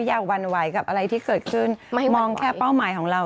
หวั่นไหวกับอะไรที่เกิดขึ้นมองแค่เป้าหมายของเรา